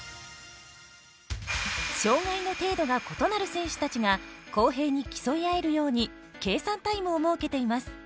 障がいの程度が異なる選手たちが公平に競い合えるように計算タイムを設けています。